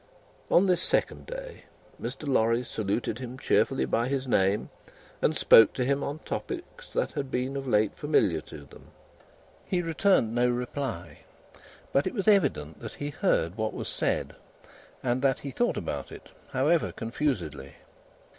On this second day, Mr. Lorry saluted him cheerfully by his name, and spoke to him on topics that had been of late familiar to them. He returned no reply, but it was evident that he heard what was said, and that he thought about it, however confusedly.